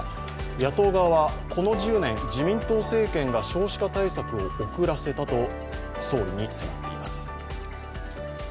野党側は、この１０年、自民党政権が少子対策を遅らせたと総理に迫っています。